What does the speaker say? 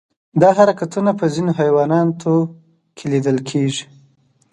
دا حرکتونه په ځینو حیواناتو کې لیدل کېږي.